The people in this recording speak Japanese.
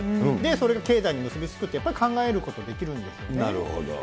それが経済に結び付くって考えることできるんですよね。